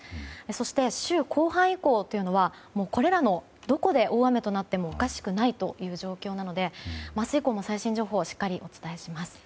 そして、週後半以降というのはこれらのどこで大雨となってもおかしくないという状況なので明日以降も最新情報をしっかりとお伝えします。